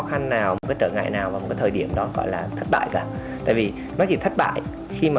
khăn nào với trở ngại nào và một cái thời điểm đó gọi là thất bại cả tại vì nó chỉ thất bại khi mà